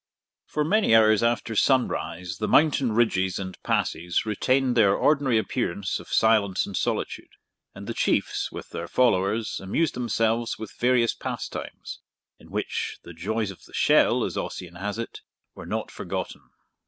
For many hours after sunrise the mountain ridges and passes retained their ordinary appearance of silence and solitude, and the Chiefs, with their followers, amused themselves with various pastimes, in which the joys of the shell, as Ossian has it, were not forgotten.